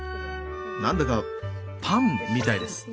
何だかパンみたいです。